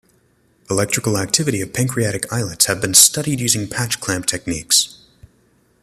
Electrical activity of pancreatic islets has been studied using patch clamp techniques.